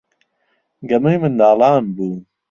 گەمەی منداڵان بوو.